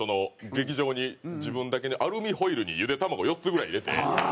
劇場に自分だけアルミホイルにゆで卵４つぐらい入れて。